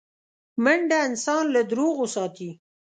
منډه انسان له دروغو ساتي